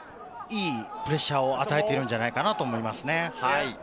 いいプレッシャーを与えているんじゃないかと思いますね。